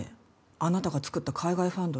あなたがつくった海外ファンドに？